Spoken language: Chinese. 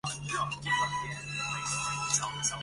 在田里也需帮忙